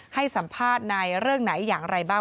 ให้สัมภาษณ์ในเรื่องไหนอย่างไรบ้าง